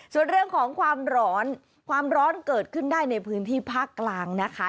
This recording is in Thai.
ส่วนเรื่องของความร้อนความร้อนเกิดขึ้นได้ในพื้นที่ภาคกลางนะคะ